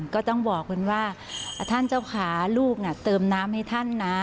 ก็ต้องบอกคุณว่าท่านเจ้าขาลูกเติมน้ำให้ท่านนะ